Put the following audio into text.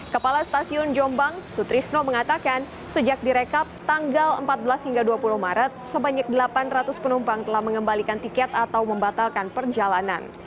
kepala stasiun jombang sutrisno mengatakan sejak direkap tanggal empat belas hingga dua puluh maret sebanyak delapan ratus penumpang telah mengembalikan tiket atau membatalkan perjalanan